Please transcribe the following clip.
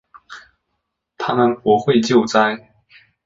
他们不会救灾